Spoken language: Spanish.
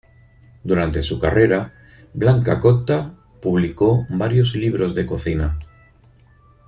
Durante su carrera, Blanca Cotta publicó varios libros de cocina.